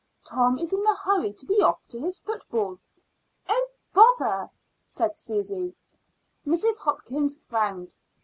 Tom is in a hurry to be off to his football." "Oh, bother!" said Susy. Mrs. Hopkins frowned.